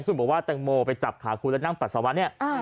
คุณบอกว่าแตงโมไปจับขาคุณแล้วนั่งปัสสาวะเนี่ย